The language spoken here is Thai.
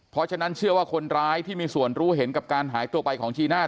เพราะฉะนั้นเชื่อว่าคนร้ายที่มีส่วนรู้เห็นกับการหายตัวไปของจีน่า